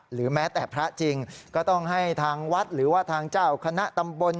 หรือแม้แต่พระจริงก็ต้องให้ทางวัดหรือว่าทางเจ้าคณะตำบล